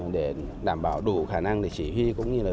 để đảm bảo đủ khả năng để chỉ